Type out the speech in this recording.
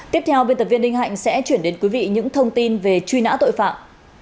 tiếp theo biên tập viên ninh hạnh sẽ chuyển đến quý vị những thông tin về truy nã tội phạm